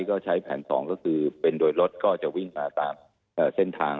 ก็ใช้แผน๒ก็คือเป็นโดยรถก็จะวิ่งมาตามเส้นทาง